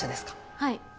はい。